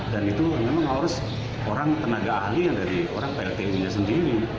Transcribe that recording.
dan itu memang harus orang tenaga ahli dari orang pltu nya sendiri